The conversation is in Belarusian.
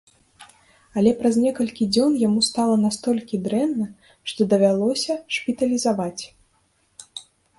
Але праз некалькі дзён яму стала настолькі дрэнна, што давялося шпіталізаваць.